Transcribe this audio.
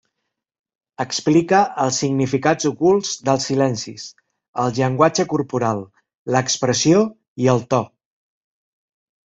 Explica els significats ocults dels silencis, el llenguatge corporal, l'expressió i el to.